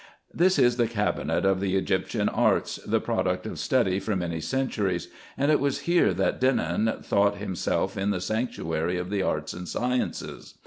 This is the cabinet of the Egyptian arts, the product of study for many centuries, and it was here that Denon thought himself in the sanctuary of the arts and sciences.